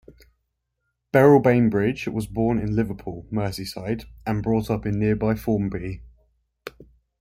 Beryl Bainbridge was born in Liverpool, Merseyside and brought up in nearby Formby.